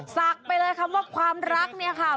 ศักดิ์ไปเลยคำว่าความรักเนี่ยค่ะ